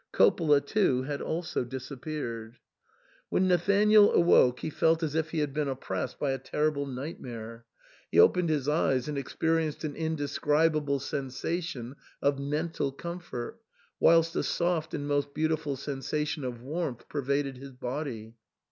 Coppola, too, had also disappeared. When Nathanael awoke he felt as if he had been op ' pressed by a terrible nightmare ; he opened his eyes and experienced an indescribable sensation of mental comfort, whilst a soft and most beautiful sensation of warmth pervaded his body.